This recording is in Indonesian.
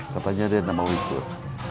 katanya dia nggak mau ikut